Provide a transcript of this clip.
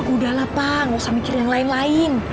udah lah pak nggak usah mikir yang lain lain